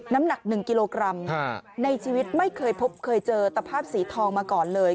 น้ำหนัก๑กิโลกรัมในชีวิตไม่เคยพบเคยเจอตะภาพสีทองมาก่อนเลย